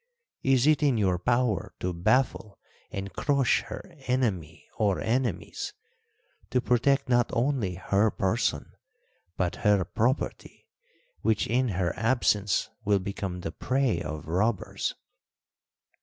Is it in your power to baffle and crush her enemy or enemies, to protect not only her person, but her property, which, in her absence, will become the prey of robbers?"